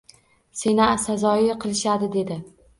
Seni sazoyi qilishadi dedi